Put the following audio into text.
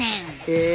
へえ。